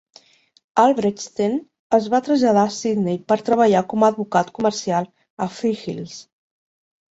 Albrechtsen es va traslladar a Sydney per treballar com a advocat comercial a Freehills.